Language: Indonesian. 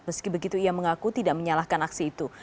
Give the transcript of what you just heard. meski begitu ia mengaku tidak menyalahkan aksi itu